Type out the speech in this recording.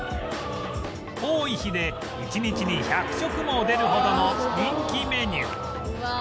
多い日で一日に１００食も出るほどの人気メニュー